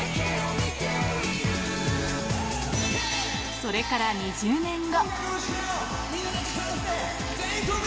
それから２０年後。